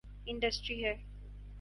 Industry ہے۔